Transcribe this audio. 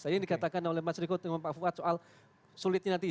tadi yang dikatakan oleh mas riko dengan pak fuad soal sulitnya nanti